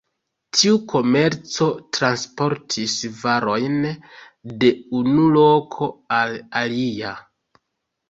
Tiu komerco transportis varojn de unu loko al alia.